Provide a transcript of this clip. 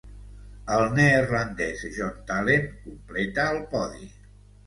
El neerlandès John Talen completà el podi.